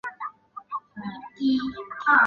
继续为考取金融分析师的牌照而努力。